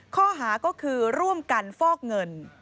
ข้อหาก็คือร่วมกันฟอกเงิน